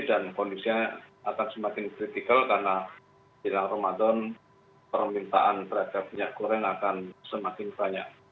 dan kondisinya akan semakin kritikal karena di jalan ramadan permintaan terhadap minyak goreng akan semakin banyak